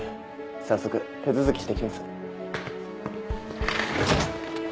早速手続きしてきます。